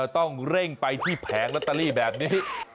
ต้องเร่งไปที่แผงลอตเตอรี่แบบนี้